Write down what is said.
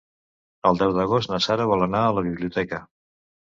El deu d'agost na Nara vol anar a la biblioteca.